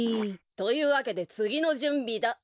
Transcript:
というわけでつぎのじゅんびだ。